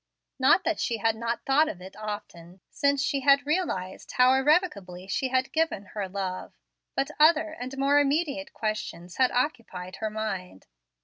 Not that she had not thought of it often since she had realized how irrevocably she had given her love, but other and more immediate questions had occupied her mind.